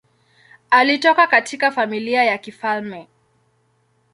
Alitoka katika familia ya kifalme.